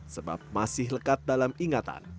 sebab masih lekat dalam ingatan